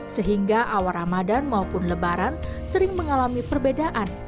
sehingga awal ramadan maupun lebaran sering mengalami perbedaan